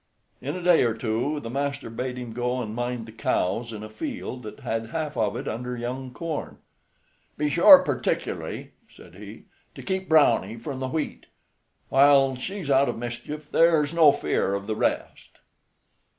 In a day or two the master bade him go and mind the cows in a field that had half of it under young corn. "Be sure, particularly," said he, "to keep Browney from the wheat; while she's out of mischief there's no fear of the rest."